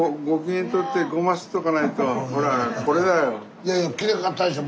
いやいやきれいかったでしょ？